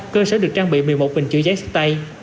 cơ sở được trang bị một mươi một bình chữa cháy sách tay